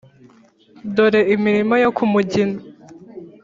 dore imirima yo ku mugina.